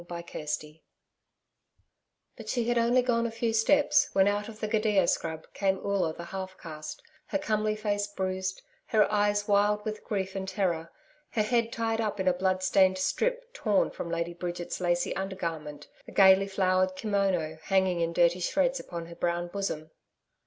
CHAPTER 3 But she had only gone a few steps, when out of the gidia scrub, came Oola the half caste, her comely face bruised, her eyes wild with grief and terror, her head tied up in a blood stained strip torn from Lady Bridget's lacy undergarment, the gaily flowered kimono hanging in dirty shreds upon her brown bosom.